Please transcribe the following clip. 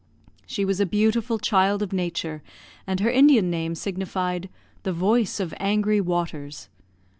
She was a beautiful child of nature, and her Indian name signified "the voice of angry waters."